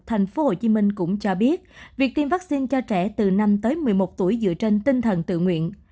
tp hcm cũng cho biết việc tiêm vaccine cho trẻ từ năm tới một mươi một tuổi dựa trên tinh thần tự nguyện